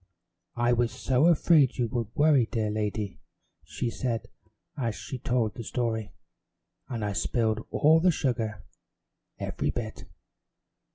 "I was so afraid you would worry, dear lady," she said as she told the story, "and I spilled all the sugar every bit."